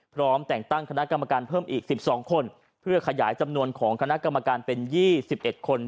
พร้อมแต่งตั้งคณะกรรมการเพิ่มอีก๑๒คนเพื่อขยายจำนวนของคณะกรรมการเป็น๒๑คน